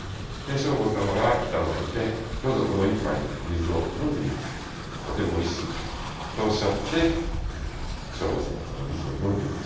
聖宝様が来たのを見て「どうぞこの１杯のお水を飲んでみなさいとてもおいしいから」とおっしゃって聖宝様はそのお水を飲んでいました。